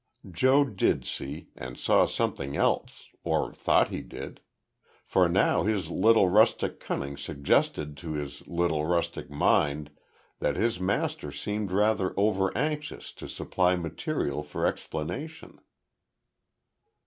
Joe did see and saw something else, or thought he did. For now his little rustic cunning suggested to his little rustic mind that his master seemed rather over anxious to supply material for explanation.